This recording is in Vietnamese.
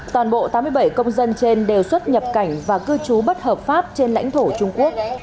toàn bộ tám mươi bảy công dân trên đều xuất nhập cảnh và cư trú bất hợp pháp trên lãnh thổ trung quốc